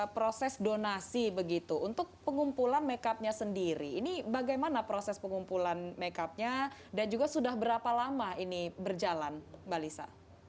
proses donasi begitu untuk pengumpulan makeupnya sendiri ini bagaimana proses pengumpulan makeupnya dan juga sudah berapa lama ini berjalan mbak lisa